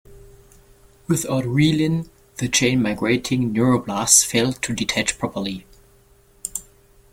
Without reelin, the chain-migrating neuroblasts failed to detach properly.